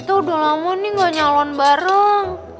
tuh udah lama nih gak nyalon bareng